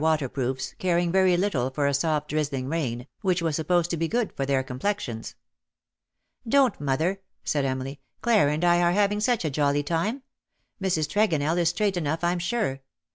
187 waterproofs, caring very little for a soft drizzling rain, which was supposed to be good for their com plexions. " Don% mother/^ said Emily. " Clara and I are having such a jolly time. Mrs. Tregonell is straight enough, Tm sure.